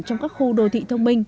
trong các khu đô thị thông minh